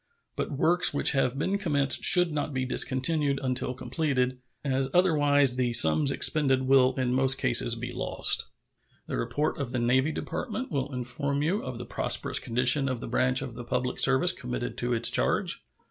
But works which have been commenced should not be discontinued until completed, as otherwise the sums expended will in most cases be lost. The report from the Navy Department will inform you of the prosperous condition of the branch of the public service committed to its charge.